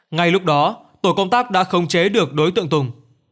ngay lúc đó tổ công tác đã không chế được đối tượng tùng